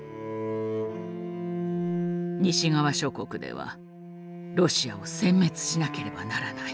西側諸国ではロシアを殲滅しなければならない。